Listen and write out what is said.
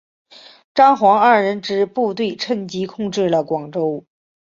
张黄二人之部队趁机控制了广州。